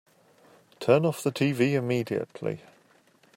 Turn off the tv immediately!